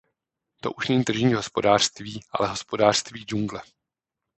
To už není tržní hospodářství, ale hospodářství džungle.